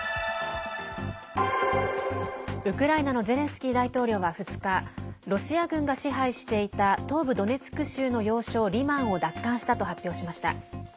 ウクライナのゼレンスキー大統領は２日ロシア軍が支配していた東部ドネツク州の要衝リマンを奪還したと発表しました。